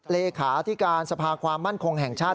เลขาที่การสภาความมั่นคงแห่งชาติ